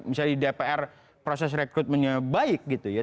misalnya di dpr proses rekrutmennya baik gitu ya